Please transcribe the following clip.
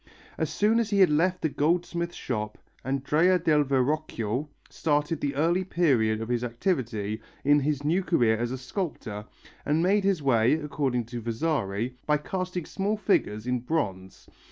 As soon as he had left the goldsmith's shop, Andrea del Verrocchio started the early period of his activity in his new career as a sculptor, and made his way, according to Vasari, by casting small figures in bronze.